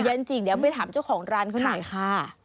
จริงเดี๋ยวไปถามเจ้าของร้านเขาหน่อยค่ะ